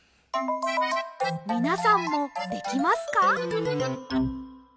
みなさんもできますか？